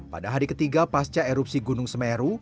pada hari ketiga pasca erupsi gunung semeru